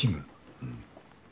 うん。